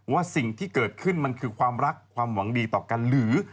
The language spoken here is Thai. ว่าสิ่งที่เกิดขึ้นมันคือความรักความหวังดีต่อกันหรือ